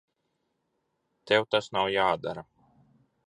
Tev tas nav jādara.